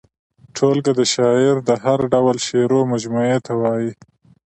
ټولګه د شاعر د هر ډول شعرو مجموعې ته وايي.